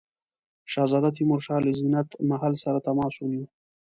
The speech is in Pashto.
شهزاده تیمورشاه له زینت محل سره تماس ونیو.